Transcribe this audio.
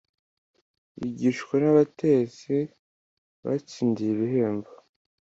yigishwa nabatetsi batsindiye ibihembo